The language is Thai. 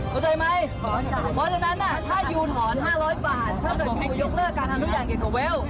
เข้าใจไหมเพราะฉะนั้นถ้ายูนถอน๕๐๐บาทถ้าเกิดคุณยกเลิกการทำทุกอย่างเกี่ยวกับเวล